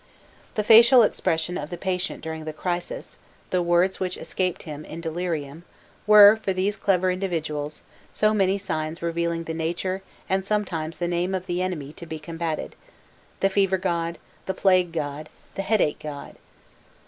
The facial expression of the patient during the crisis, the words which escaped from him in delirium, were, for these clever individuals, so many signs revealing the nature and sometimes the name of the enemy to be combated the Fever god, the Plague god, the Headache god.